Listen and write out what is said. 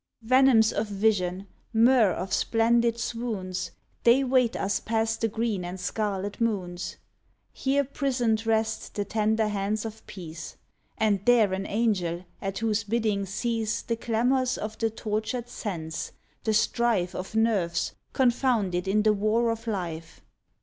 Venoms of vision, myrrh of splendid swoons, 48 tHE JPO'THECART'S They wait us past the green and scarlet moons. Here prisoned rest the tender hands of Peace, And there an angel at whose bidding cease The clamors of the tortured sense, the strife Of nerves confounded in the war of life.